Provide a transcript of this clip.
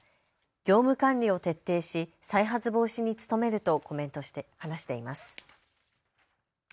業務管理を徹底し再発防止に努めると話しています。